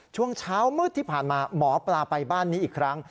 ช่วงเช้ามืดที่ผ่านมาหมอปลาไปบ้านนี้อีกครั้ง